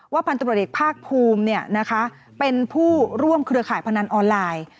ว่าพันธุรกิจภาคภูมิเป็นผู้ร่วมเครือข่ายพนันออนไลน์